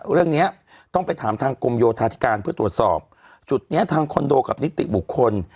เรื่องนี้ต้องไปถามทางกรมโยธาธิการเพื่อตรวจสอบจุดนี้ทางคอนโดกับนิติบุคคล